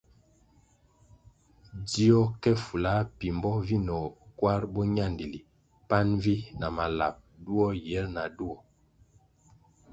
Dzió ke fula pimbo vinoh kwar boñandili pan vi na malap duo yir na duo.